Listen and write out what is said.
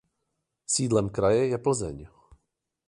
Sídlem kraje je Plzeň.